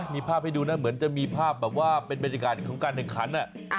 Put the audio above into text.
มีภาพให้ดูเหมือนจะมีภาพอย่างว่าเป็นบริการของการเหนิงขัน